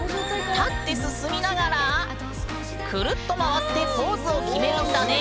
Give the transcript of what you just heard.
立って進みながらクルッと回ってポーズを決めるんだね。